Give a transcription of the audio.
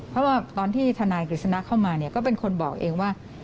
เพราะว่าตอนที่ธนายกฤษณะเข้ามาเนี่ยก็เป็นคนบอกเองว่า